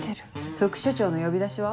副署長の呼び出しは？